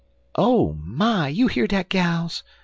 "'Oh, my! You hear dat, gals?'